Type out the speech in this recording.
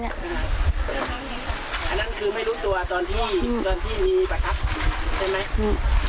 อันนั้นคือไม่รู้ตัวที่มีประทับใช่ไหม